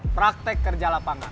praktek kerja lapangan